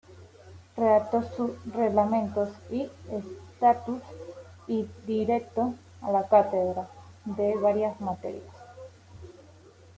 Redactó sus reglamentos y estatutos y dictó cátedra de varias materias.